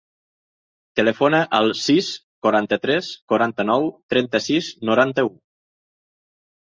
Telefona al sis, quaranta-tres, quaranta-nou, trenta-sis, noranta-u.